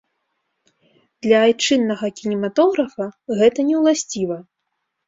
Для айчыннага кінематографа гэта не ўласціва.